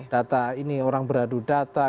data ini orang beradu data